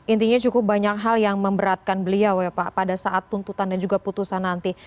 intinya cukup banyak hal yang memberatkan beliau ya pak pada saat tuntutan dan juga putusan nanti